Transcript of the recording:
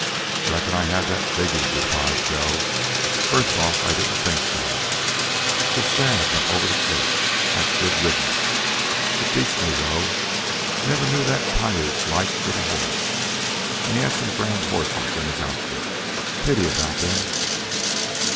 "Reckon I had that figured," replied Joe. "First off. I didn't think so.... So Shadd went over the cliff. That's good riddance. It beats me, though. Never knew that Piute's like with a horse. And he had some grand horses in his outfit. Pity about them."